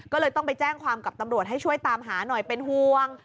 ก็เลยต้องไปแจ้งความกับตำรวจให้ช่วยตามหาหน่อยเป็นห่วง